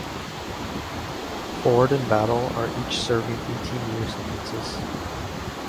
Ford and Battle are each serving eighteen-year sentences.